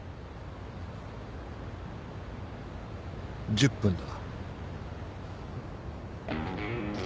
１０分だ。